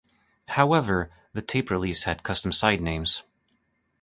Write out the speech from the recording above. However, the tape release had custom side names.